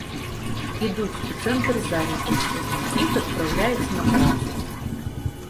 Ідуць у цэнтр занятасці, іх адпраўляюць на працу.